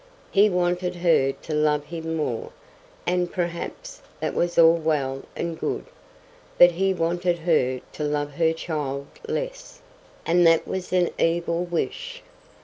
He wanted her to love him more, and perhaps that was all well and good; but he wanted her to love her child less, and that was an evil wish.